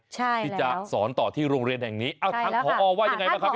ที่จะสอนต่อที่โรงเรียนแห่งนี้ถ้างผออว่ายังไงน่ะค่ะอศบิตร